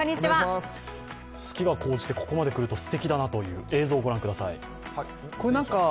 好きが高じて、ここまでくるとすてきだなという映像を御覧ください。